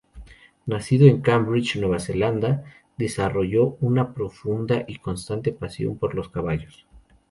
Nacido en Cambridge, Nueva Zelanda, desarrolló una profunda y constante pasión por los caballos.